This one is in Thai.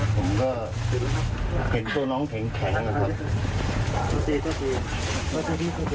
ผมก็เห็นตัวน้องแข็งนะครับ